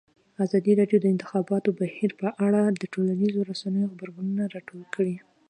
ازادي راډیو د د انتخاباتو بهیر په اړه د ټولنیزو رسنیو غبرګونونه راټول کړي.